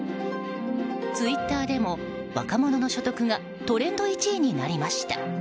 ツイッターでも、若者の所得がトレンド１位になりました。